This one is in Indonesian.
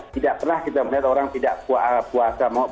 tidak pernah kita melihat orang tidak puasa